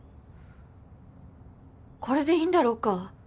これでいいんだろうか？